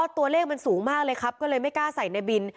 ตัวเลขมันสูงมากเลยครับก็เลยไม่กล้าใส่ในบิน